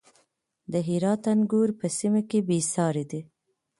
د هرات انګور په سیمه کې بې ساري دي.